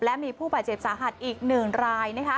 และมีผู้บาดเจ็บสาหัสอีก๑ราย